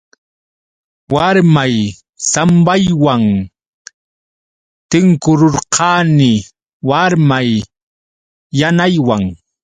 Warmay sambaywan tinkukurqani warmay yanaywan.